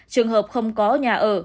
trường hợp không có nhà ở